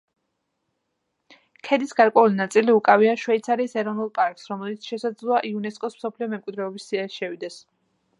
ქედის გარკვეული ნაწილი უკავია შვეიცარიის ეროვნულ პარკს, რომელიც შესულია იუნესკოს მსოფლიო მემკვიდრეობის სიაში.